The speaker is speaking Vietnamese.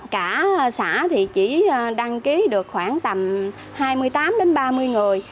cả xã thì chỉ đăng ký được khoảng tầm hai mươi tám đến ba mươi người